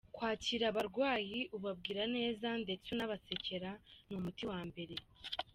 Kwakira abarwayi ubabwira neza ndetse unabasekera ni umuti wa mbere.